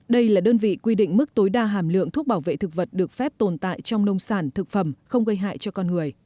đây là đơn vị quy định mức tối đa hàm lượng thuốc bảo vệ thực vật được phép tồn tại trong nông sản thực phẩm không gây hại cho con người